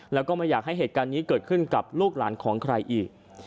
แล้วก็ไม่อยากให้เหตุการณ์นี้เกิดขึ้นกับลูกหลานของใครอีก